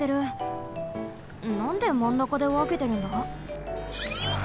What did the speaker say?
なんでまんなかでわけてるんだ？